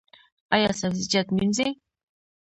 ایا سبزیجات مینځئ؟